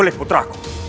menculik putra aku